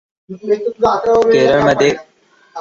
केरळ मध्ये वर्षभर विषुववृत्तीय दमट हवामान असते.